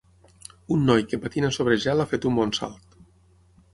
Un noi que patina sobre gel ha fet un bon salt.